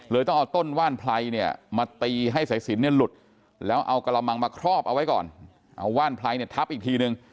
ต้องเอาต้นว่านไพรเนี่ยมาตีให้สายสินเนี่ยหลุดแล้วเอากระมังมาครอบเอาไว้ก่อนเอาว่านไพรเนี่ยทับอีกทีนึง